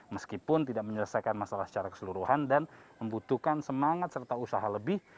meskipun tidak menyelesaikan masalah secara keseluruhan dan membutuhkan semangat serta usaha lebih